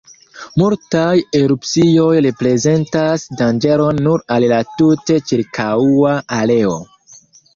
Multaj erupcioj reprezentas danĝeron nur al la tute ĉirkaŭa areo.